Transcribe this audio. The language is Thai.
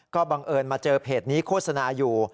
ก็บังเอิญมาเจอเพจนี้โฆษณาอยู่